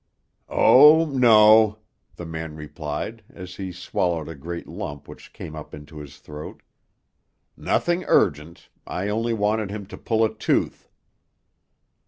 "Oh, no," the man replied, as he swallowed a great lump which came up into his throat. "Nothing urgent; I only wanted him to pull a tooth."